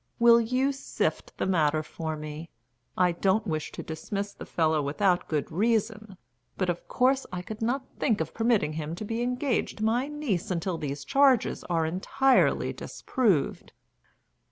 Will you sift the matter for me? I don't wish to dismiss the fellow without good reason, but of course I could not think of permitting him to be engaged to my niece until these charges are entirely disproved.